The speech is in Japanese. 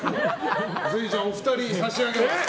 ぜひ、お二人に差し上げます。